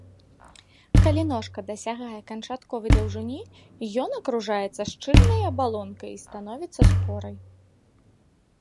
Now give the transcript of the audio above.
Калі ножка дасягае канчатковай даўжыні, ён акружаецца шчыльнай абалонкай і становіцца спорай.